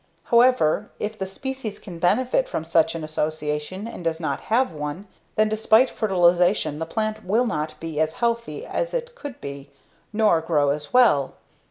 However, if the species can benefit from such an association and does not have one, then despite fertilization the plant will not be as healthy as it could be, nor grow as well.